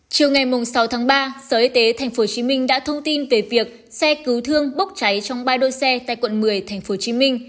chiều ngày sáu tháng ba sở y tế tp hcm đã thông tin về việc xe cứu thương bốc cháy trong ba đôi xe tại quận một mươi tp hcm